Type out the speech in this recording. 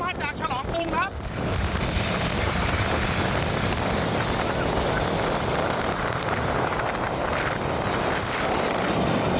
มาจากฉลองกรุงครับ